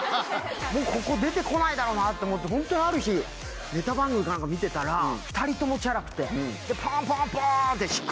もうここ出て来ないだろうなと思ってホントにある日ネタ番組か何か見てたら２人ともチャラくて。